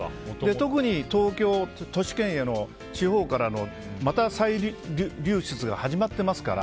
特に東京や都市圏への地方からの再流出が始まってますから。